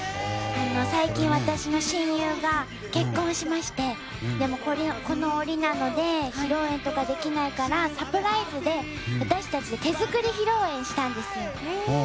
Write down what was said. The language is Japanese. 最近、私の親友が結婚しましてでも、この折なので披露宴とかできないからサプライズで私たち手作り披露宴したんですよ。